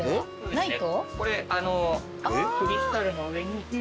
ライト？